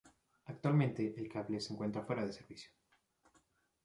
Actualmente el cable se encuentra fuera de servicio.